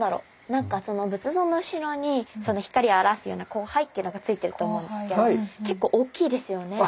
何か仏像の後ろに光を表すような光背っていうのがついてると思うんですけど結構大きいですよね。